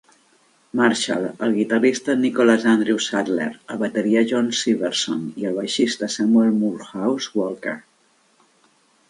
Marshall, el guitarrista Nicholas Andrew Sadler, el bateria Jon Syverson i el baixista Samuel Moorehouse Walker.